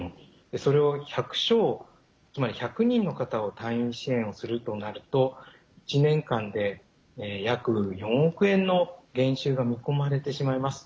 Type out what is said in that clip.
それを１００床つまり１００人の方を退院支援をするとなると１年間で約４億円の減収が見込まれてしまいます。